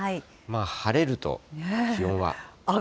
晴れると気温は。